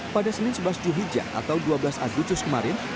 pada senin sebelas julhija atau dua belas agustus kemarin